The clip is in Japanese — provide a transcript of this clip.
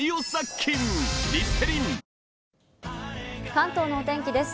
関東のお天気です。